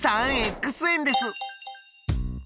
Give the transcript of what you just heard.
３円です。